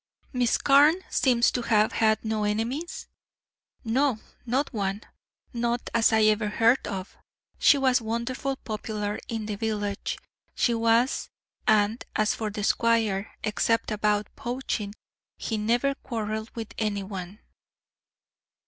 "Miss Carne seems to have had no enemies?" "No, not one not as I ever heard of. She was wonderful popular in the village, she was; and as for the Squire, except about poaching, he never quarrelled with any one."